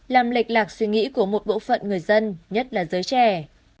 làm lệch lạc suy nghĩ của một bộ phận người dân nhất là giới trẻ